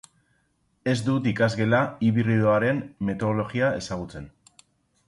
Ez dut ikasgela hibridoaren metodologia ezagutzen.